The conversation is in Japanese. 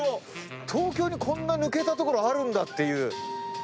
東京にこんな抜けた所あるんだっていう。